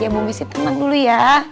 ya bu messi tenang dulu ya